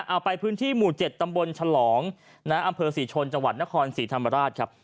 เอาไปพื้นที่หมู่๗ตำบลฉลองอำเภอศรีชนจังหวัดนครศรีธรรมราชครับ